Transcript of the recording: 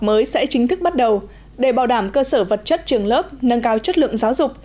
mới sẽ chính thức bắt đầu để bảo đảm cơ sở vật chất trường lớp nâng cao chất lượng giáo dục